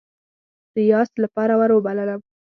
ریاست لپاره وروبللم.